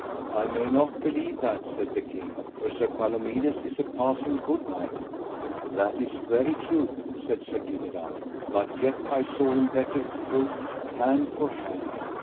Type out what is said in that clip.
t I may not believe that, said the king, for Sir Palomides is a passing good knight. That is very truth, said Sir Dinadan, but yet I saw him better proved, hand for hand.